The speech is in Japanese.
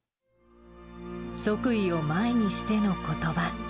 即位を前にしてのことば。